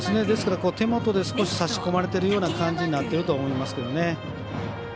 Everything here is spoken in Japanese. ですから、手元で少し差し込まれているような感じになっていると思いますね。